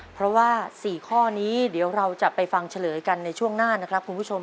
เพราะว่า๔ข้อนี้เดี๋ยวเราจะไปฟังเฉลยกันในช่วงหน้านะครับคุณผู้ชม